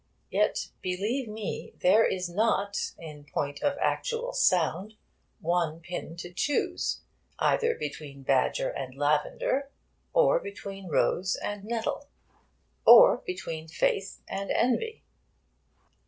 Yet, believe me, there is not, in point of actual sound, one pin to choose either between Badger and Lavender, or between Rose and Nettle, or between Faith and Envy.